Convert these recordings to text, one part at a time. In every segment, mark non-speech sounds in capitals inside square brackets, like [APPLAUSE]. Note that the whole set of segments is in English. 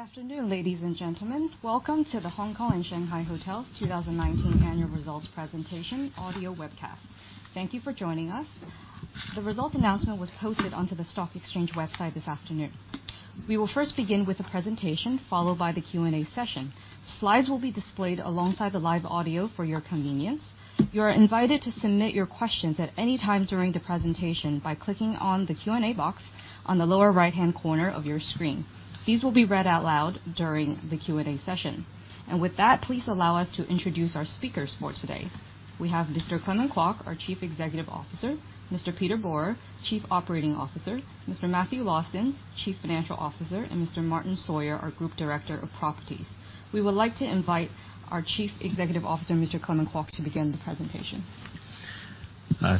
Good afternoon, ladies and gentlemen. Welcome to The Hongkong and Shanghai Hotels 2019 annual results presentation audio webcast. Thank you for joining us. The result announcement was posted onto the stock exchange website this afternoon. We will first begin with the presentation, followed by the Q&A session. Slides will be displayed alongside the live audio for your convenience. You are invited to submit your questions at any time during the presentation by clicking on the Q&A box on the lower right-hand corner of your screen. These will be read out loud during the Q&A session. With that, please allow us to introduce our speakers for today. We have Mr. Clement Kwok, our Chief Executive Officer, Mr. Peter Borer, Chief Operating Officer, Mr. Matthew Lawson, Chief Financial Officer, and Mr. Martyn Sawyer, our Group Director of Properties. We would like to invite our Chief Executive Officer, Mr. Clement Kwok, to begin the presentation.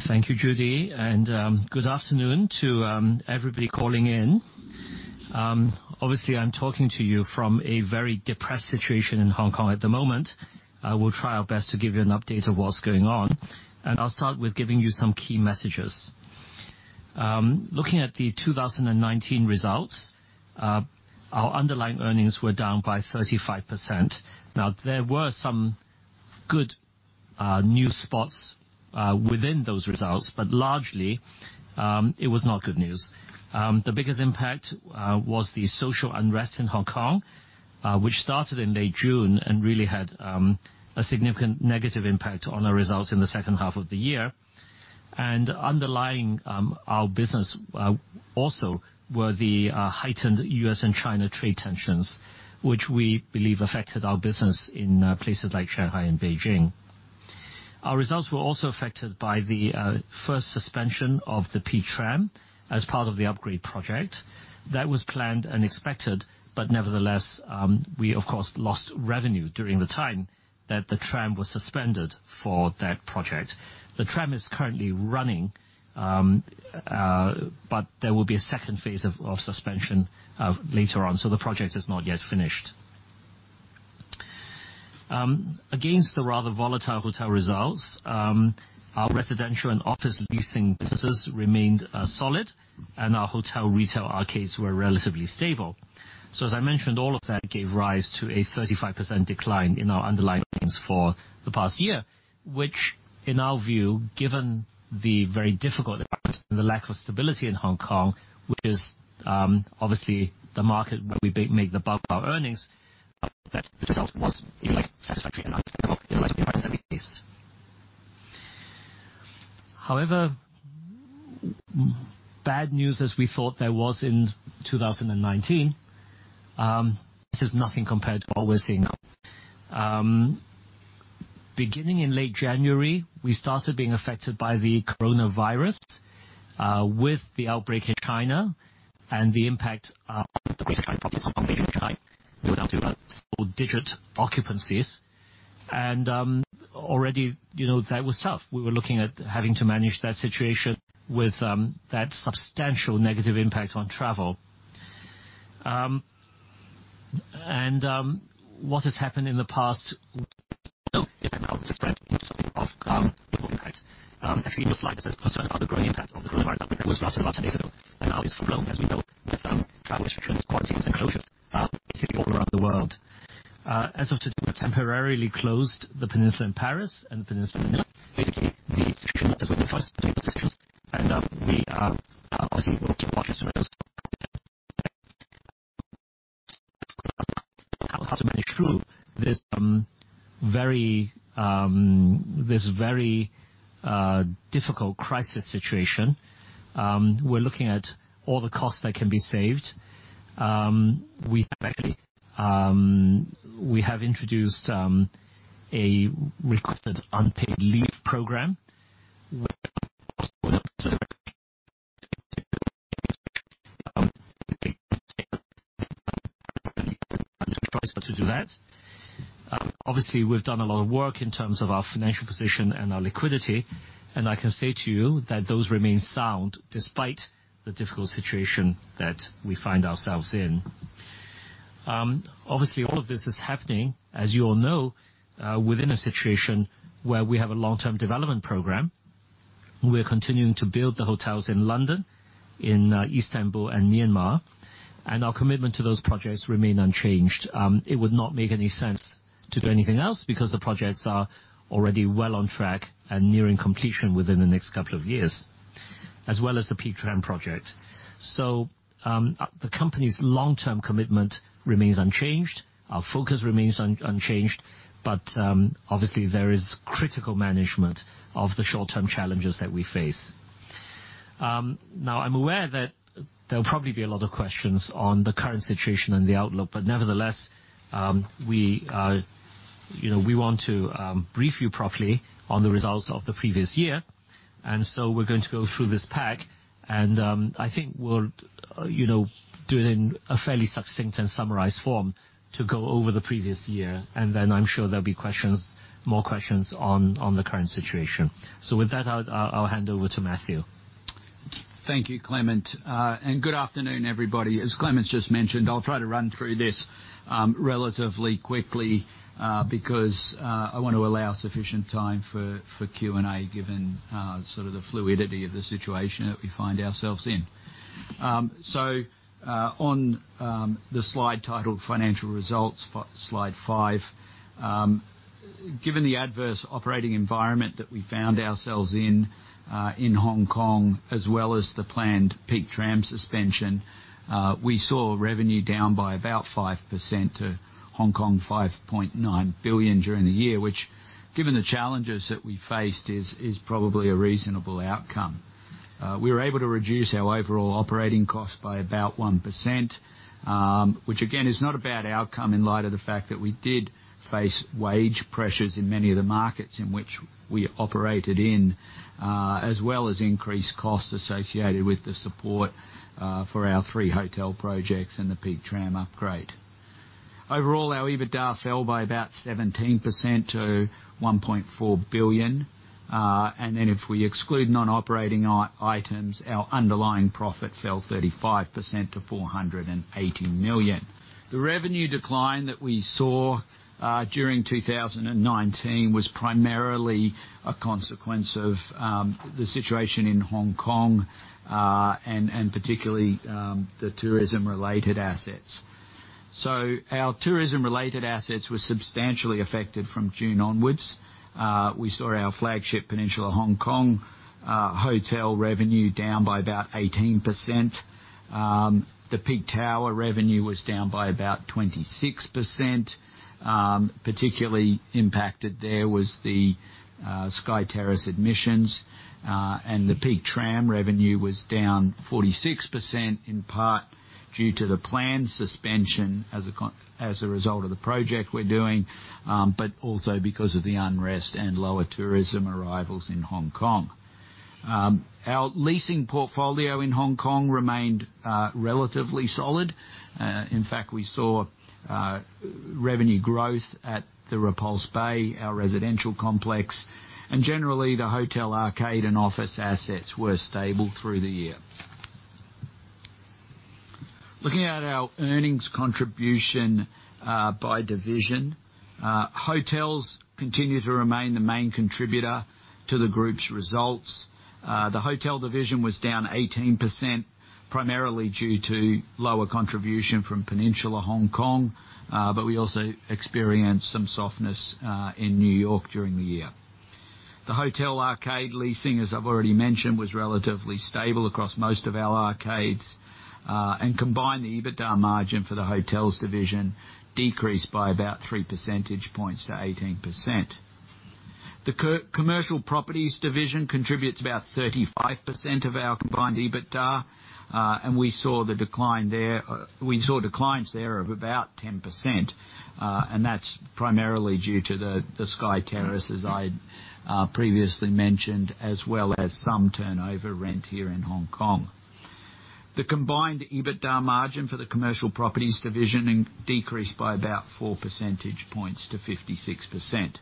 Thank you, Judy. Good afternoon to everybody calling in. Obviously, I'm talking to you from a very depressed situation in Hong Kong at the moment. We'll try our best to give you an update of what's going on, and I'll start with giving you some key messages. Looking at the 2019 results, our underlying earnings were down by 35%. Now, there were some good new spots within those results, but largely, it was not good news. The biggest impact was the social unrest in Hong Kong, which started in late June and really had a significant negative impact on our results in the second half of the year. Underlying our business, also were the heightened U.S. and China trade tensions, which we believe affected our business in places like Shanghai and Beijing. Our results were also affected by the first suspension of the Peak Tram as part of the upgrade project. That was planned and expected, but nevertheless, we of course lost revenue during the time that the tram was suspended for that project. The tram is currently running, but there will be a second phase of suspension later on, so the project is not yet finished. Against the rather volatile hotel results, our residential and office leasing businesses remained solid, and our hotel retail arcades were relatively stable. As I mentioned, all of that gave rise to a 35% decline in our underlying earnings for the past year, which in our view, given the very difficult environment and the lack of stability in Hong Kong, which is obviously the market where we make the bulk of our earnings, that the result was even, like, a satisfactory and understandable in light of the environment that we face. However, bad news as we thought there was in 2019, this is nothing compared to what we're seeing now. Beginning in late January, we started being affected by the coronavirus, with the outbreak in China and the impacted [AUDIO DISTORTION] occupancies. Already that was tough. We were looking at having to manage that situation with that substantial negative impact on travel. What has happened in the past is that now this has spread into something of global impact. Actually, in your slides, there's a concern about the growing impact of the coronavirus that was drafted about 10 days ago, and now is full-blown, as we know, with travel restrictions, quarantines, and closures basically all around the world. As of today, we've temporarily closed The Peninsula in Paris and The Peninsula in Milan. Basically, the situation has left us no choice but to make those decisions, and we are obviously working with our customers how to manage through this very difficult crisis situation. We're looking at all the costs that can be saved. We have introduced a requested unpaid leave program to do that. Obviously, we've done a lot of work in terms of our financial position and our liquidity, and I can say to you that those remain sound despite the difficult situation that we find ourselves in. Obviously, all of this is happening, as you all know, within a situation where we have a long-term development program. We're continuing to build the hotels in London, in Istanbul, and Myanmar, our commitment to those projects remain unchanged. It would not make any sense to do anything else because the projects are already well on track and nearing completion within the next couple of years, as well as the Peak Tram project. The company's long-term commitment remains unchanged. Our focus remains unchanged. Obviously, there is critical management of the short-term challenges that we face. Now, I'm aware that there'll probably be a lot of questions on the current situation and the outlook, nevertheless, we want to brief you properly on the results of the previous year, we're going to go through this pack. I think we'll do it in a fairly succinct and summarized form to go over the previous year, and then I'm sure there'll be more questions on the current situation. With that, I'll hand over to Matthew. Thank you, Clement. Good afternoon, everybody. As Clement's just mentioned, I'll try to run through this relatively quickly because I want to allow sufficient time for Q&A, given sort of the fluidity of the situation that we find ourselves in. On the slide titled Financial Results, slide five. Given the adverse operating environment that we found ourselves in Hong Kong, as well as the planned Peak Tram suspension, we saw revenue down by about 5% to 5.9 billion during the year, which, given the challenges that we faced, is probably a reasonable outcome. We were able to reduce our overall operating cost by about 1%, which again, is not a bad outcome in light of the fact that we did face wage pressures in many of the markets in which we operated in. As well as increased costs associated with the support for our three hotel projects and the Peak Tram upgrade. Overall, our EBITDA fell by about 17% to 1.4 billion. If we exclude non-operating items, our underlying profit fell 35% to 480 million. The revenue decline that we saw during 2019 was primarily a consequence of the situation in Hong Kong, and particularly, the tourism-related assets. Our tourism-related assets were substantially affected from June onwards. We saw our flagship The Peninsula Hong Kong hotel revenue down by about 18%. The Peak Tower revenue was down by about 26%, particularly impacted there was the Sky Terrace admissions. The Peak Tram revenue was down 46%, in part due to the planned suspension as a result of the project we're doing, but also because of the unrest and lower tourism arrivals in Hong Kong. Our leasing portfolio in Hong Kong remain relatively solid. Infact we saw revenue growth at the Repulse Bay, our residential complex. Generally, the hotel arcade and office assets were stable through the year. Looking at our earnings contribution by division. Hotels continue to remain the main contributor to the group's results. The hotel division was down 18%, primarily due to lower contribution from Peninsula Hong Kong, we also experienced some softness in New York during the year. The hotel arcade leasing, as I've already mentioned, was relatively stable across most of our arcades. Combined, the EBITDA margin for the hotels division decreased by about three percentage points to 18%. The commercial properties division contributes about 35% of our combined EBITDA, and we saw declines there of about 10%, and that's primarily due to the Sky Terrace, as I previously mentioned, as well as some turnover rent here in Hong Kong. The combined EBITDA margin for the commercial properties division decreased by about four percentage points to 56%.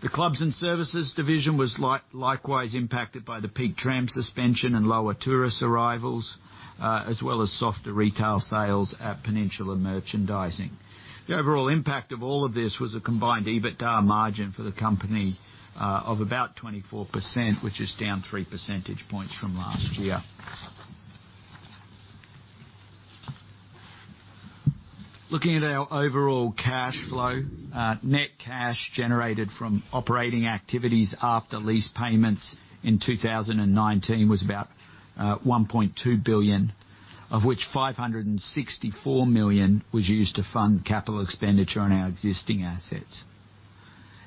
The clubs and services division was likewise impacted by the Peak Tram suspension and lower tourist arrivals, as well as softer retail sales at Peninsula Merchandising. The overall impact of all of this was a combined EBITDA margin for the company of about 24%, which is down 3 percentage points from last year. Looking at our overall cash flow. Net cash generated from operating activities after lease payments in 2019 was about 1.2 billion, of which 564 million was used to fund capital expenditure on our existing assets.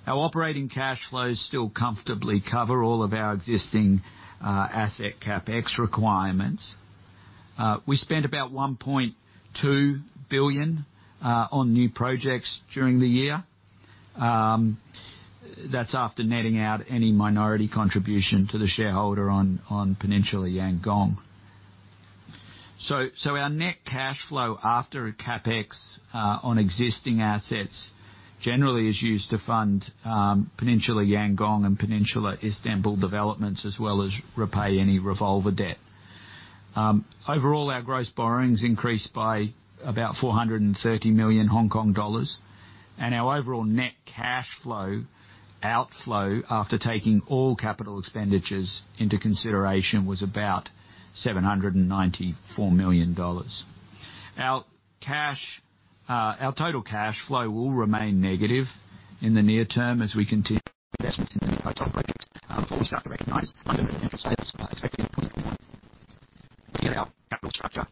Our operating cash flows still comfortably cover all of our existing asset CapEx requirements. We spent about 1.2 billion on new projects during the year. That's after netting out any minority contribution to the shareholder on Peninsula Yangon. Our net cash flow after CapEx on existing assets generally is used to fund Peninsula Yangon and Peninsula Istanbul developments, as well as repay any revolver debt. Overall, our gross borrowings increased by about 430 million Hong Kong dollars. Our overall net cash flow outflow after taking all capital expenditures into consideration was about 794 million dollars. Our total cash flow will remain negative in the near term as we continue investments in the new hotel projects before we start to recognize London residential status expected in 2021. Looking at our capital structure.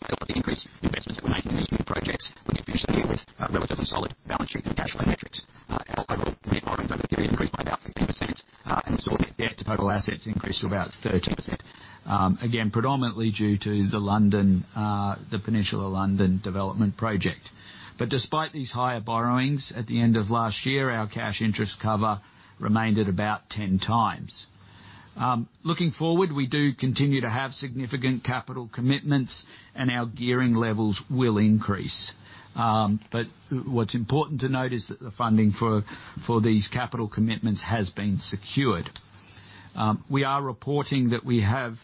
Despite all of the increased investments that we're making in these new projects, we can finish the year with relatively solid balance sheet and cash flow metrics. Our overall net borrowings over the period increased by about 15%, and resort net debt to total assets increased to about 13%. Predominantly due to the Peninsula London development project. Despite these higher borrowings at the end of last year, our cash interest cover remained at about 10 times. Looking forward, we do continue to have significant capital commitments. Our gearing levels will increase. What's important to note is that the funding for these capital commitments has been secured. We are reporting that we have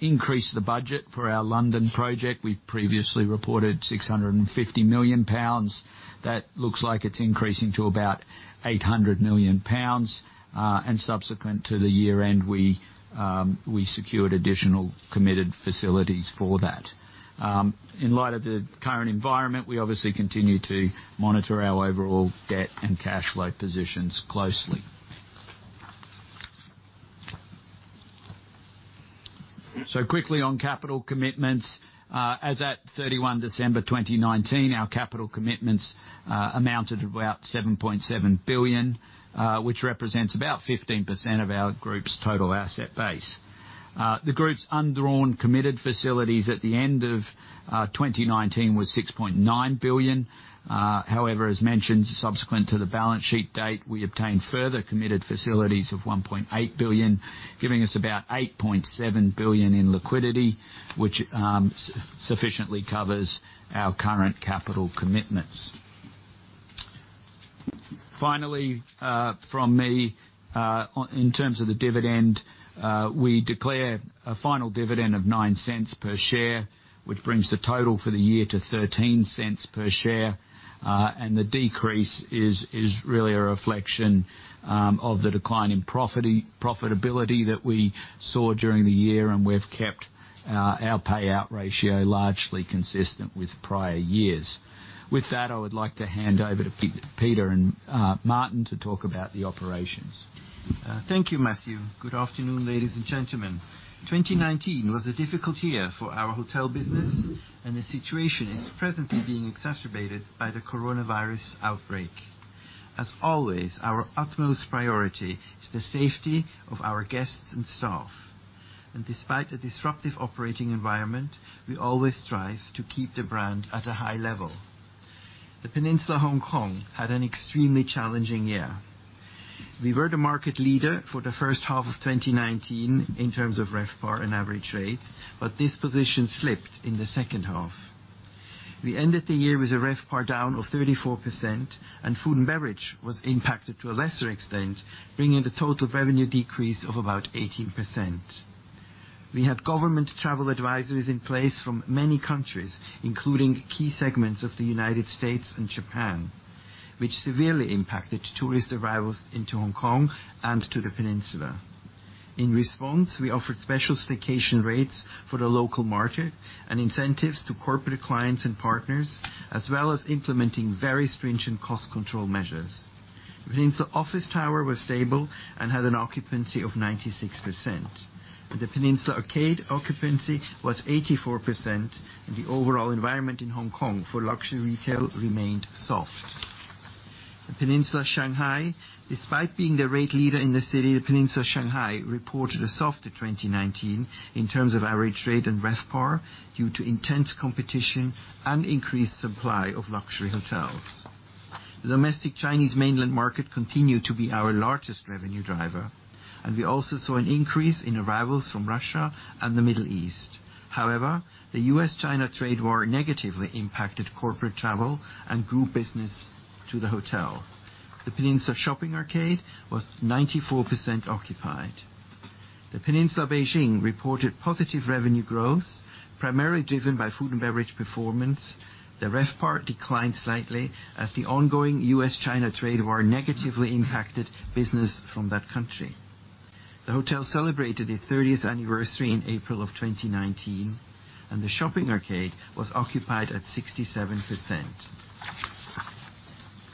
increased the budget for our London project. We previously reported 650 million pounds. That looks like it's increasing to about 800 million pounds. Subsequent to the year-end, we secured additional committed facilities for that. In light of the current environment, we obviously continue to monitor our overall debt and cash flow positions closely. Quickly on capital commitments. As at 31 December 2019, our capital commitments amounted to about 7.7 billion, which represents about 15% of our group's total asset base. The group's undrawn committed facilities at the end of 2019 was 6.9 billion. However, as mentioned, subsequent to the balance sheet date, we obtained further committed facilities of 1.8 billion, giving us about 8.7 billion in liquidity, which sufficiently covers our current capital commitments. Finally, from me, in terms of the dividend, we declare a final dividend of 0.09 per share, which brings the total for the year to 0.13 per share. The decrease is really a reflection of the decline in profitability that we saw during the year, and we've kept our payout ratio largely consistent with prior years. With that, I would like to hand over to Peter and Martyn to talk about the operations. Thank you, Matthew. Good afternoon, ladies and gentlemen. 2019 was a difficult year for our hotel business, and the situation is presently being exacerbated by the coronavirus outbreak. As always, our utmost priority is the safety of our guests and staff. Despite a disruptive operating environment, we always strive to keep the brand at a high level. The Peninsula Hong Kong had an extremely challenging year. We were the market leader for the first half of 2019 in terms of RevPAR and average rates, but this position slipped in the second half. We ended the year with a RevPAR down of 34%, and food and beverage was impacted to a lesser extent, bringing the total revenue decrease of about 18%. We had government travel advisories in place from many countries, including key segments of the United States and Japan, which severely impacted tourist arrivals into Hong Kong and to The Peninsula. In response, we offered special staycation rates for the local market and incentives to corporate clients and partners, as well as implementing very stringent cost control measures. The Peninsula Office Tower was stable and had an occupancy of 96%. The Peninsula Arcade occupancy was 84%. The overall environment in Hong Kong for luxury retail remained soft. The Peninsula Shanghai, despite being the rate leader in the city, The Peninsula Shanghai reported a softer 2019 in terms of average rate and RevPAR due to intense competition and increased supply of luxury hotels. Domestic Chinese mainland market continued to be our largest revenue driver. We also saw an increase in arrivals from Russia and the Middle East. However, the U.S.-China trade war negatively impacted corporate travel and group business to the hotel. The Peninsula Shopping Arcade was 94% occupied. The Peninsula Beijing reported positive revenue growth, primarily driven by food and beverage performance. The RevPAR declined slightly as the ongoing U.S.-China trade war negatively impacted business from that country. The hotel celebrated its 30th anniversary in April of 2019. The Shopping Arcade was occupied at 67%.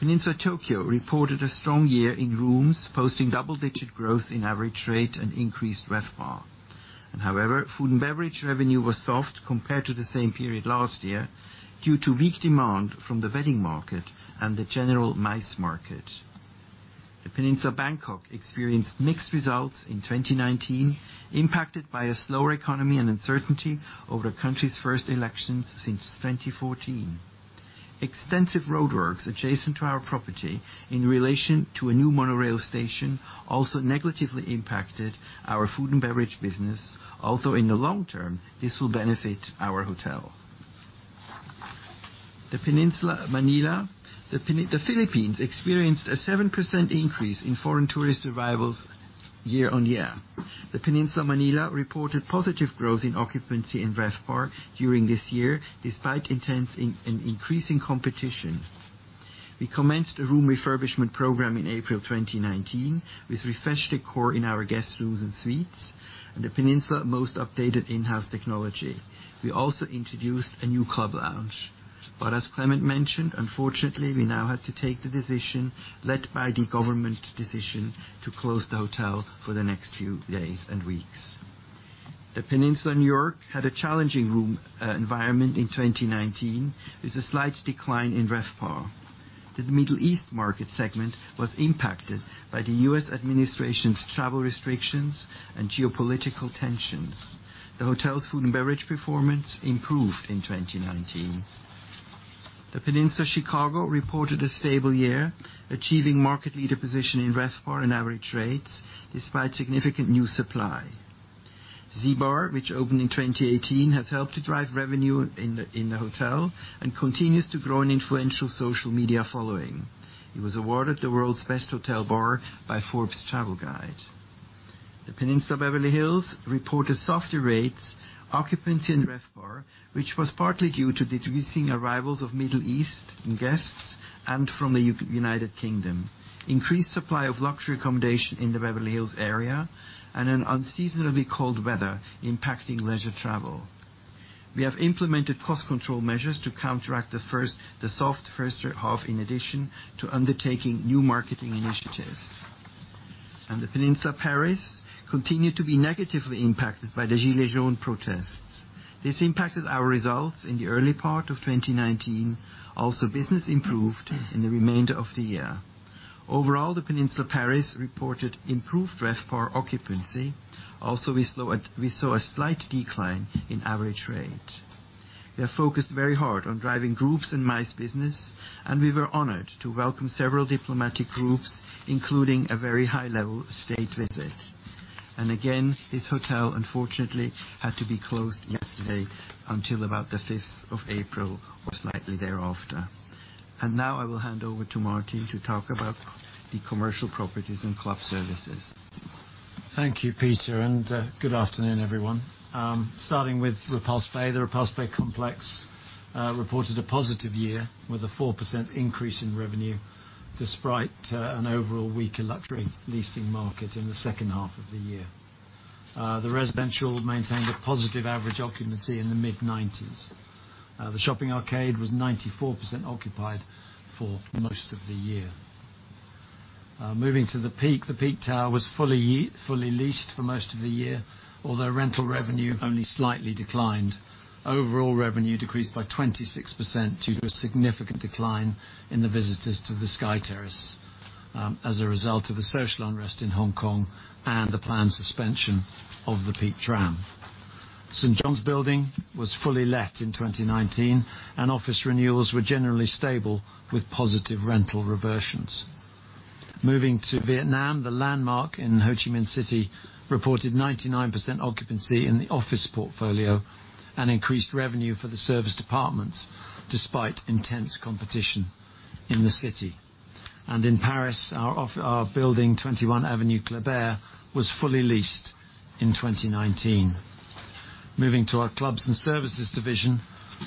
The Peninsula Tokyo reported a strong year in rooms, posting double-digit growth in average rate and increased RevPAR. However, food and beverage revenue was soft compared to the same period last year due to weak demand from the wedding market and the general MICE market. The Peninsula Bangkok experienced mixed results in 2019, impacted by a slower economy and uncertainty over the country's first elections since 2014. Extensive roadworks adjacent to our property in relation to a new monorail station also negatively impacted our food and beverage business, although in the long term, this will benefit our hotel. The Peninsula Manila. The Philippines experienced a 7% increase in foreign tourist arrivals year-on-year. The Peninsula Manila reported positive growth in occupancy and RevPAR during this year, despite intense and increasing competition. We commenced a room refurbishment program in April 2019 with refreshed decor in our guest rooms and suites and The Peninsula most updated in-house technology. We also introduced a new club lounge. As Clement mentioned, unfortunately, we now had to take the decision, led by the government decision, to close the hotel for the next few days and weeks. The Peninsula New York had a challenging room environment in 2019 with a slight decline in RevPAR. The Middle East market segment was impacted by the U.S. administration's travel restrictions and geopolitical tensions. The hotel's food and beverage performance improved in 2019. The Peninsula Chicago reported a stable year, achieving market leader position in RevPAR and average rates despite significant new supply. Z Bar, which opened in 2018, has helped to drive revenue in the hotel and continues to grow an influential social media following. It was awarded the world's best hotel bar by Forbes Travel Guide. The Peninsula Beverly Hills reported softer rates, occupancy, and RevPAR, which was partly due to decreasing arrivals of Middle East guests and from the U.K., increased supply of luxury accommodation in the Beverly Hills area, and an unseasonably cold weather impacting leisure travel. We have implemented cost control measures to counteract the soft first half, in addition to undertaking new marketing initiatives. The Peninsula Paris continued to be negatively impacted by the Gilets Jaunes protests. This impacted our results in the early part of 2019. Business improved in the remainder of the year. Overall, The Peninsula Paris reported improved RevPAR occupancy. We saw a slight decline in average rate. We are focused very hard on driving groups and MICE business, and we were honored to welcome several diplomatic groups, including a very high-level state visit. Again, this hotel unfortunately had to be closed yesterday until about the 5th of April or slightly thereafter. Now I will hand over to Martyn to talk about the commercial properties and club services. Thank you, Peter. Good afternoon, everyone. Starting with the Repulse Bay, the Repulse Bay complex reported a positive year with a 4% increase in revenue, despite an overall weaker luxury leasing market in the second half of the year. The residential maintained a positive average occupancy in the mid-90s. The shopping arcade was 94% occupied for most of the year. Moving to the Peak, the Peak Tower was fully leased for most of the year, although rental revenue only slightly declined. Overall revenue decreased by 26% due to a significant decline in the visitors to the Sky Terrace as a result of the social unrest in Hong Kong and the planned suspension of the Peak Tram. St. John's Building was fully let in 2019. Office renewals were generally stable, with positive rental reversions. Moving to Vietnam, The Landmark in Ho Chi Minh City reported 99% occupancy in the office portfolio and increased revenue for the service departments, despite intense competition in the city. In Paris, our building, 21 Avenue Kléber, was fully leased in 2019. Moving to our clubs and services division,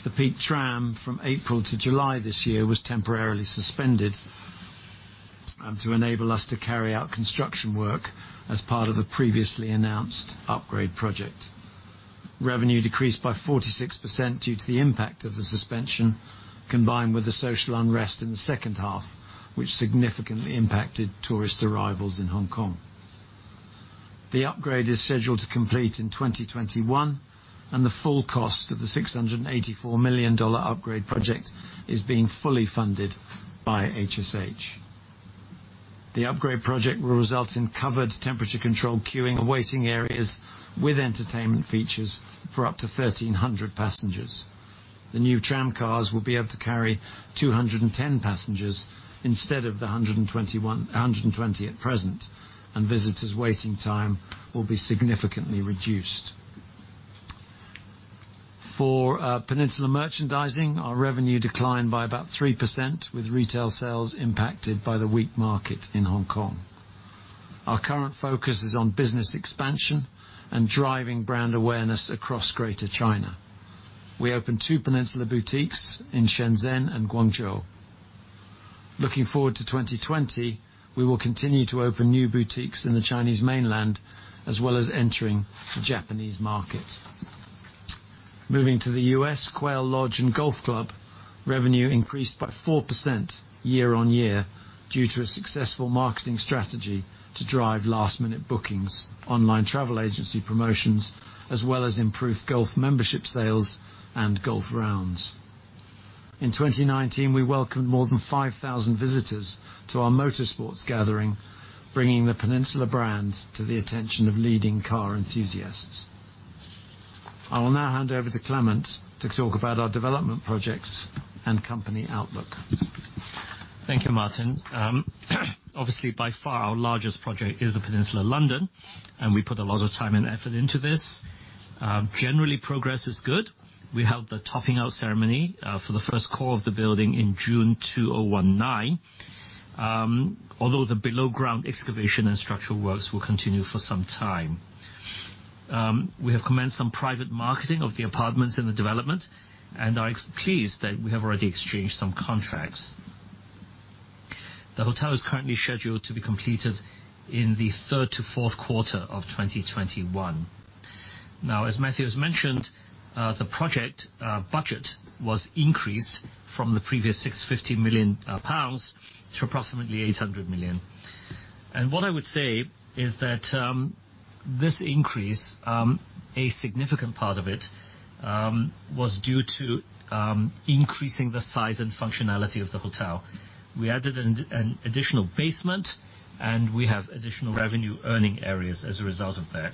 The Peak Tram from April to July this year was temporarily suspended to enable us to carry out construction work as part of the previously announced upgrade project. Revenue decreased by 46% due to the impact of the suspension, combined with the social unrest in the second half, which significantly impacted tourist arrivals in Hong Kong. The upgrade is scheduled to complete in 2021, and the full cost of the 684 million dollar upgrade project is being fully funded by HSH. The upgrade project will result in covered temperature-controlled queuing and waiting areas with entertainment features for up to 1,300 passengers. The new tramcars will be able to carry 210 passengers instead of the 120 at present, and visitors' waiting time will be significantly reduced. For Peninsula Merchandising, our revenue declined by about 3%, with retail sales impacted by the weak market in Hong Kong. Our current focus is on business expansion and driving brand awareness across Greater China. We opened two Peninsula boutiques in Shenzhen and Guangzhou. Looking forward to 2020, we will continue to open new boutiques in the Chinese mainland, as well as entering the Japanese market. Moving to the U.S., Quail Lodge & Golf Club revenue increased by 4% year-on-year due to a successful marketing strategy to drive last-minute bookings, online travel agency promotions, as well as improved golf membership sales and golf rounds. In 2019, we welcomed more than 5,000 visitors to our motorsports gathering, bringing the Peninsula brand to the attention of leading car enthusiasts. I will now hand over to Clement to talk about our development projects and company outlook. Thank you, Martyn. Obviously, by far, our largest project is The Peninsula London. We put a lot of time and effort into this. Generally, progress is good. We held the topping out ceremony for the first core of the building in June 2019. Although the below-ground excavation and structural works will continue for some time. We have commenced some private marketing of the apartments in the development and are pleased that we have already exchanged some contracts. The hotel is currently scheduled to be completed in the third to fourth quarter of 2021. Now, as Matthew has mentioned, the project budget was increased from the previous 650 million pounds to approximately 800 million. What I would say is that this increase, a significant part of it, was due to increasing the size and functionality of the hotel. We added an additional basement, and we have additional revenue-earning areas as a result of that.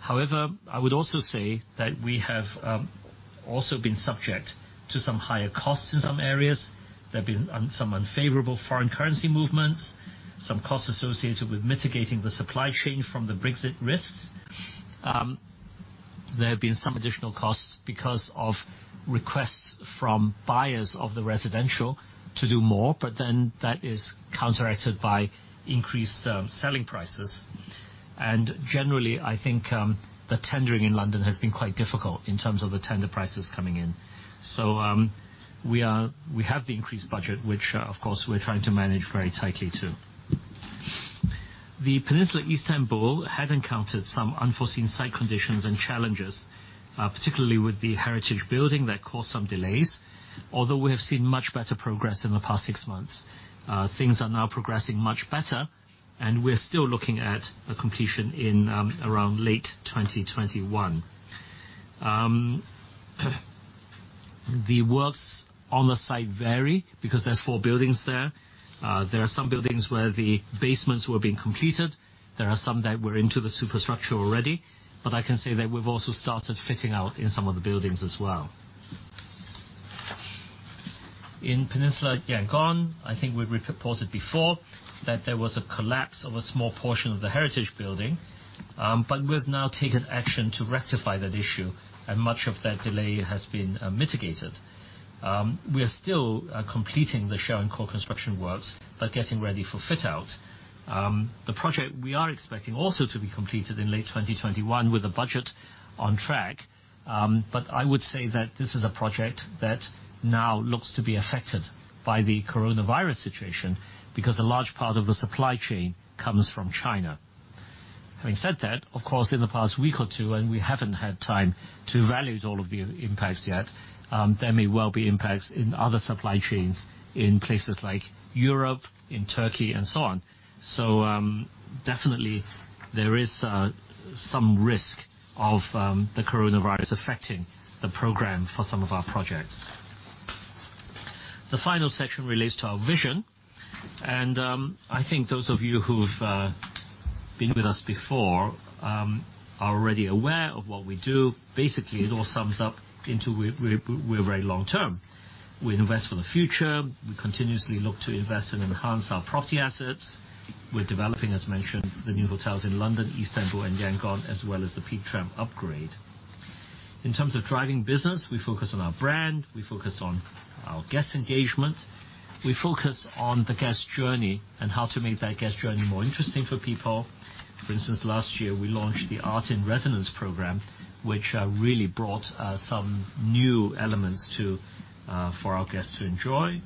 However, I would also say that we have also been subject to some higher costs in some areas. There have been some unfavorable foreign currency movements, some costs associated with mitigating the supply chain from the Brexit risks. There have been some additional costs because of requests from buyers of the residential to do more, that is counteracted by increased selling prices. Generally, I think the tendering in London has been quite difficult in terms of the tender prices coming in. We have the increased budget, which of course we're trying to manage very tightly too. The Peninsula Istanbul had encountered some unforeseen site conditions and challenges, particularly with the heritage building, that caused some delays. Although we have seen much better progress in the past six months. Things are now progressing much better. We're still looking at a completion in around late 2021. The works on the site vary because there are four buildings there. There are some buildings where the basements were being completed. There are some that were into the superstructure already. I can say that we've also started fitting out in some of the buildings as well. In Peninsula Yangon, I think we reported before that there was a collapse of a small portion of the heritage building, but we've now taken action to rectify that issue, and much of that delay has been mitigated. We are still completing the shell and core construction works but getting ready for fit-out. The project, we are expecting also to be completed in late 2021 with the budget on track. I would say that this is a project that now looks to be affected by the coronavirus situation because a large part of the supply chain comes from China. Having said that, of course, in the past week or two, and we haven't had time to evaluate all of the impacts yet, there may well be impacts in other supply chains in places like Europe, in Turkey, and so on. Definitely, there is some risk of the coronavirus affecting the program for some of our projects. The final section relates to our vision. I think those of you who've been with us before are already aware of what we do. Basically, it all sums up into we're very long-term. We invest for the future. We continuously look to invest and enhance our property assets. We're developing, as mentioned, the new hotels in London, Istanbul, and Yangon, as well as the Peak Tram upgrade. In terms of driving business, we focus on our brand. We focus on our guest engagement. We focus on the guest journey and how to make that guest journey more interesting for people. For instance, last year, we launched the Art in Resonance program, which really brought some new elements for our guests to enjoy.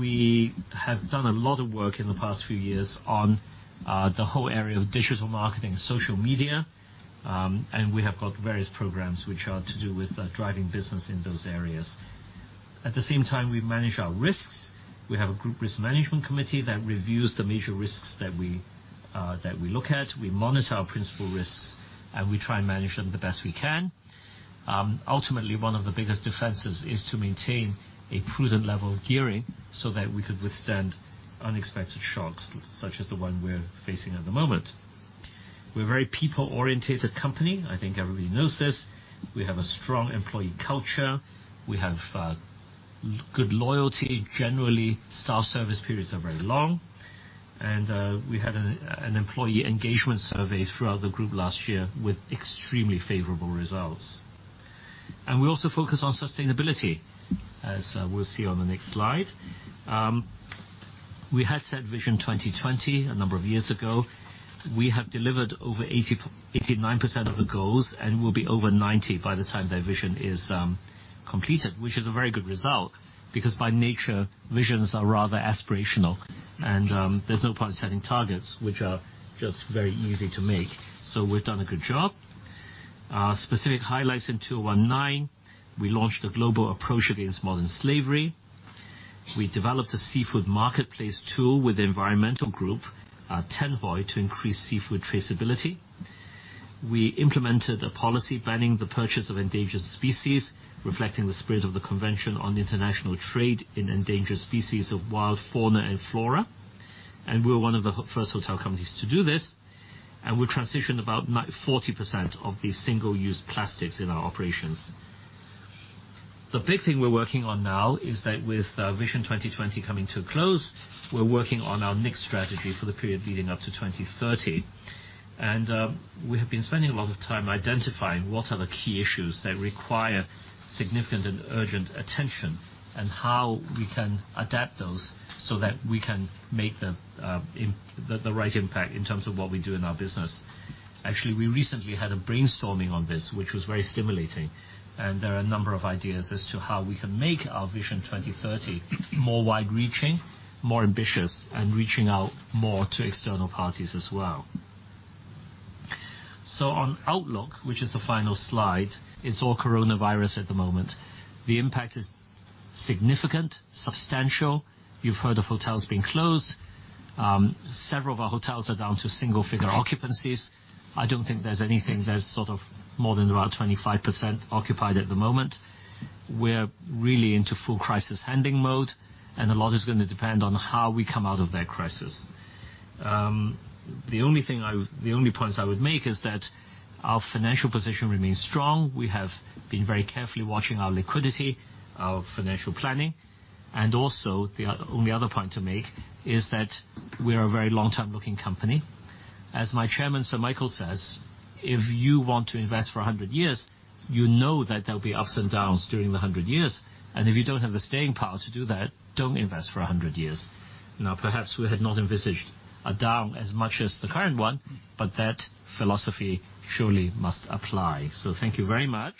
We have done a lot of work in the past few years on the whole area of digital marketing, social media, and we have got various programs which are to do with driving business in those areas. At the same time, we manage our risks. We have a group risk management committee that reviews the major risks that we look at. We monitor our principal risks, and we try and manage them the best we can. Ultimately, one of the biggest defenses is to maintain a prudent level of gearing so that we could withstand unexpected shocks such as the one we're facing at the moment. We're a very people-orientated company. I think everybody knows this. We have a strong employee culture. We have good loyalty. Generally, staff service periods are very long. We had an employee engagement survey throughout the group last year with extremely favorable results. We also focus on sustainability, as we'll see on the next slide. We had set Vision 2020 a number of years ago. We have delivered over 89% of the goals and will be over 90% by the time that Vision is completed, which is a very good result because by nature, visions are rather aspirational and there's no point setting targets which are just very easy to make. We've done a good job. Specific highlights in 2019, we launched a global approach against modern slavery. We developed a seafood marketplace tool with the environmental group, Ten Voie, to increase seafood traceability. We implemented a policy banning the purchase of endangered species, reflecting the spirit of the Convention on International Trade in Endangered Species of Wild Fauna and Flora. We're one of the first hotel companies to do this. We transitioned about 40% of the single-use plastics in our operations. The big thing we're working on now is that with Vision 2020 coming to a close, we're working on our next strategy for the period leading up to 2030. We have been spending a lot of time identifying what are the key issues that require significant and urgent attention and how we can adapt those so that we can make the right impact in terms of what we do in our business. Actually, we recently had a brainstorming on this, which was very stimulating, and there are a number of ideas as to how we can make our Vision 2030 more wide-reaching, more ambitious, and reaching out more to external parties as well. On outlook, which is the final slide, it's all coronavirus at the moment. The impact is significant, substantial. You've heard of hotels being closed. Several of our hotels are down to single-figure occupancies. I don't think there's anything that's sort of more than about 25% occupied at the moment. We're really into full crisis-handling mode. A lot is going to depend on how we come out of that crisis. The only points I would make is that our financial position remains strong. We have been very carefully watching our liquidity, our financial planning. Also, the only other point to make is that we are a very long-term looking company. As my Chairman, Sir Michael says, "If you want to invest for 100 years, you know that there'll be ups and downs during the 100 years. If you don't have the staying power to do that, don't invest for 100 years." Now, perhaps we had not envisaged a down as much as the current one. That philosophy surely must apply. Thank you very much.